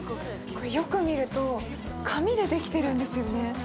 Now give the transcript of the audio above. よく見ると、紙でできているんですよね。